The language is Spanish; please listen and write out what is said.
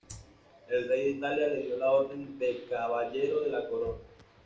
El Rey de Italia le dio la Orden de Caballero de la Corona.